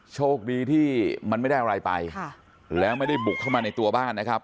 โชคดีที่มันไม่ได้อะไรไปแล้วไม่ได้บุกเข้ามาในตัวบ้านนะครับ